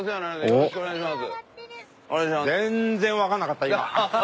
よろしくお願いします。